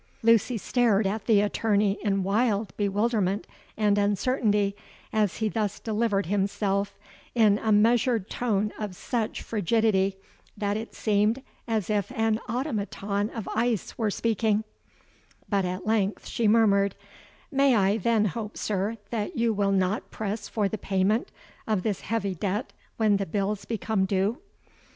'—Lucy stared at the attorney in wild bewilderment and uncertainty as he thus delivered himself in a measured tone of such frigidity that it seemed as if an automaton of ice were speaking; but at length she murmured, 'May I then hope, sir, that you will not press for the payment of this heavy debt when the bills become due?'